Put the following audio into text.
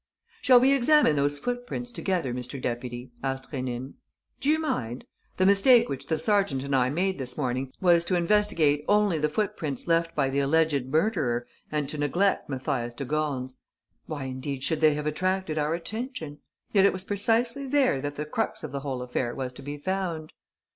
"Shall we examine those footprints together, Mr. Deputy?" asked Rénine. "Do you mind? The mistake which the sergeant and I made this morning was to investigate only the footprints left by the alleged murderer and to neglect Mathias de Gorne's. Why indeed should they have attracted our attention? Yet it was precisely there that the crux of the whole affair was to be found."